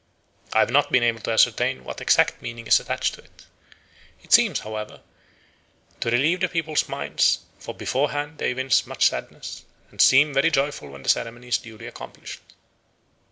I have not been able to ascertain what exact meaning is attached to it. It appears, however, to relieve the people's minds, for beforehand they evince much sadness, and seem very joyful when the ceremony is duly accomplished.